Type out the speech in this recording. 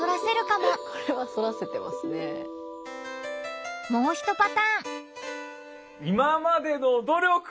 もうひとパターン！